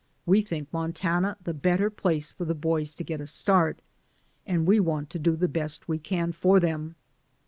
We think Montana the better place for the boys to get a start, and we want to do the best we can for them."